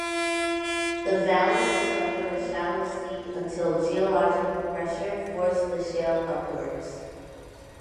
The valley was under a shallow sea until geologic pressure forced the shale upwards.